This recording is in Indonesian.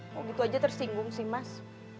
mau begitu saja tersinggung sih mas